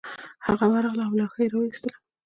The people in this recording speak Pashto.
هغه ورغله او لوحه یې راویستله